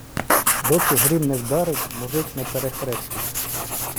Доки грім не вдарить, мужик не перехреститься.